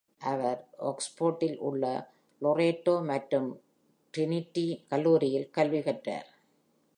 அவர் ஆக்ஸ்போர்டில் உள்ள லோரெட்டோ, மற்றும் டிரினிட்டி கல்லூரியில் கல்வி கற்றார்.